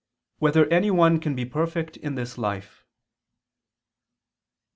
2] Whether Any One Can Be Perfect in This Life?